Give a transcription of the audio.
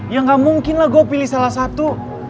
ya gak mungkin lah gue pilih salah satu